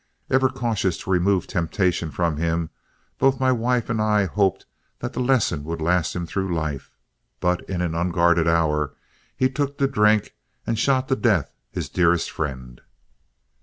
Ever cautious to remove temptation from him, both my wife and I hoped that the lesson would last him through life, but in an unguarded hour he took to drink, and shot to death his dearest friend.